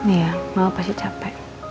iya mama pasti capek